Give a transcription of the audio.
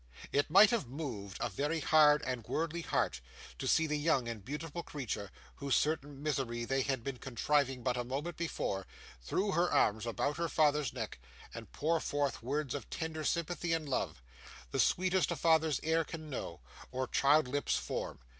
It might have moved a very hard and worldly heart to see the young and beautiful creature, whose certain misery they had been contriving but a minute before, throw her arms about her father's neck, and pour forth words of tender sympathy and love, the sweetest a father's ear can know, or child's lips form.